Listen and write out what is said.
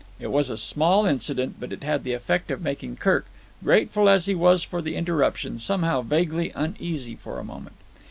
It was a small incident, but it had the effect of making Kirk, grateful as he was for the interruption, somehow vaguely uneasy for a moment.